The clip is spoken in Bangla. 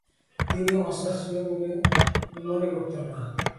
তিনি অশাস্ত্রীয় বলে মনে করতেন না।